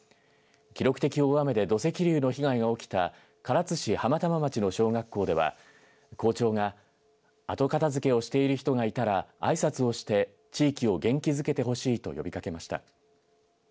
記録的大雨で土石流の被害が起きた唐津市浜玉町の小学校では校長が後片づけをしている人たちがいたらあいさつをして地域を元気づけてほしいと呼びかけました。